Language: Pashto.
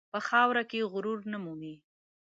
په خاوره کې غرور نه مومي.